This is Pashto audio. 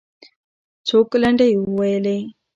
څوک لنډۍ وویلې؟